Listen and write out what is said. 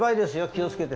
気を付けて。